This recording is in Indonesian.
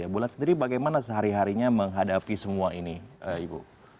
bulan sendiri bagaimana sehari harinya menghadapi semua ini ibu